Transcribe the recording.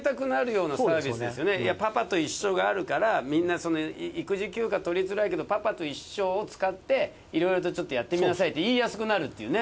パパと一緒があるからみんな育児休暇取りづらいけどパパと一緒を使っていろいろとちょっとやってみなさいって言いやすくなるっていうね。